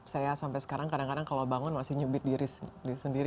saya sampai sekarang kadang kadang kalau bangun masih nyubit diri sendiri